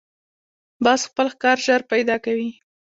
باز خپل ښکار ژر پیدا کوي